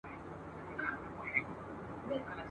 باغونه طبیعت ته ښکلا ورکوي.